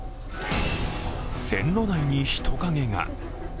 線路内に人影が。